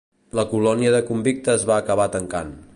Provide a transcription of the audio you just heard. La colònia de convictes va acabar tancant.